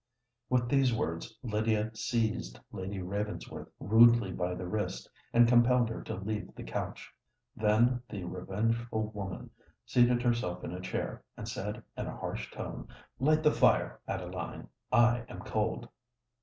With these words Lydia seized Lady Ravensworth rudely by the wrist, and compelled her to leave the couch. Then the revengeful woman seated herself in a chair, and said in a harsh tone, "Light the fire, Adeline—I am cold."